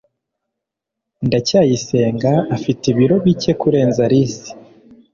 ndacyayisenga afite ibiro bike kurenza alice